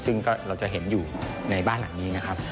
ซึ่งก็เราจะเห็นอยู่ในบ้านหลังนี้นะครับ